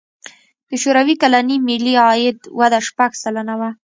د شوروي کلني ملي عاید وده شپږ سلنه وه.